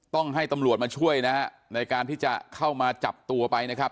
ต้องให้ตำรวจมาช่วยนะฮะในการที่จะเข้ามาจับตัวไปนะครับ